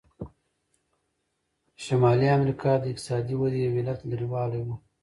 د شمالي امریکا د اقتصادي ودې یو علت لرې والی و.